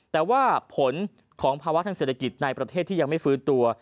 แต่ว่าผลของภาวะทางเศรษฐกิจในประเทศที่ยังไม่ฟื้นตัว